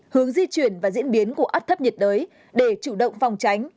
hướng di chuyển và diễn biến của áp thấp nhiệt đới để chủ động phòng tránh